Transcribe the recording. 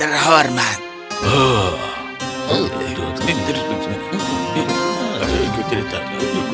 rajaku yang terhormat